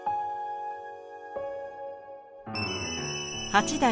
八代